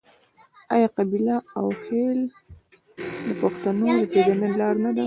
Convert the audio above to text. آیا قبیله او خیل د پښتنو د پیژندنې لار نه ده؟